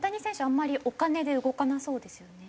あんまりお金で動かなそうですよね。